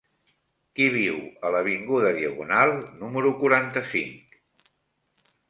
Qui viu a l'avinguda Diagonal número quaranta-cinc?